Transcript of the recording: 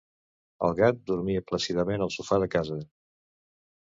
El gat dormia plàcidament al sofà de casa.